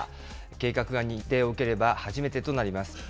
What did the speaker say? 計画が認定を受ければ、初めてとなります。